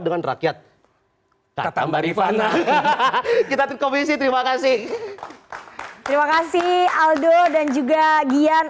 dengan rakyat kata mbak rifana kita komisi terima kasih terima kasih aldo dan juga gian